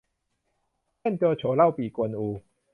เช่น โจโฉ เล่าปี่ กวนอู